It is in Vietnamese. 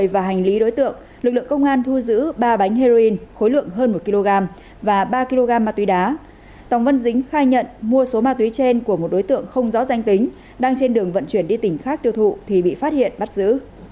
và hành lý đối tượng lực lượng công an thu giữ ba bánh heroin khối lượng hơn một kg và ba kg ma túy đá tòng văn dính khai nhận mua số ma túy trên của một đối tượng không rõ danh tính đang trên đường vận chuyển đi tỉnh khác tiêu thụ thì bị phát hiện bắt giữ